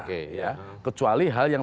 oke ya kecuali hal yang